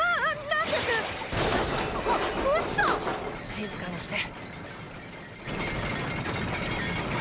静かにして。